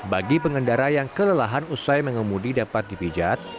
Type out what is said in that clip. bagi pengendara yang kelelahan usai mengemudi dapat dipijat